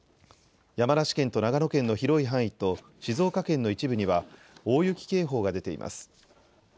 山梨県と長野県の広い範囲と静岡県の一部には大雪警報が出ています。